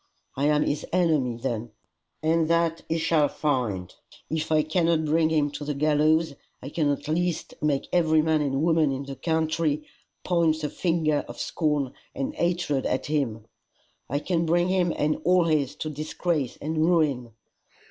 I am his enemy then, and that he shall find. If I cannot bring him to the gallows, I can at least make every man and woman in the country point the finger of scorn and hatred at him. I can bring him and all his to disgrace and ruin.